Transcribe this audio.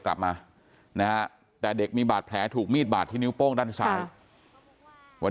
กลับมานะฮะแต่เด็กมีบาดแผลถูกมีดบาดที่นิ้วโป้งด้านซ้ายวัน